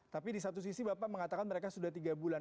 tapi di satu sisi bapak mengatakan mereka sudah tiga bulan